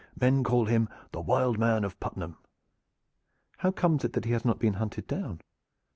Men call him the 'Wild Man of Puttenham.'" "How comes it that he has not been hunted down?